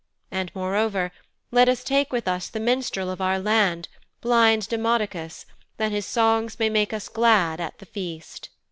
And moreover, let us take with us the minstrel of our land, blind Demodocus, that his songs may make us glad at the feast.'